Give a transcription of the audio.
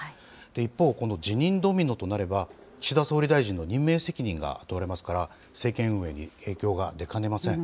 一方、この辞任ドミノとなれば、岸田総理大臣の任命責任が問われますから、政権運営に影響が出かねません。